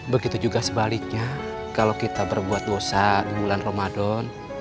begitu juga sebaliknya kalau kita berbuat dosa di bulan ramadan